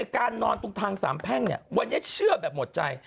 การนอนตรงทางสามแพ่งวันนี้เชื่อแบบหมดใจ